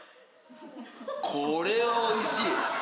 これは美味しい！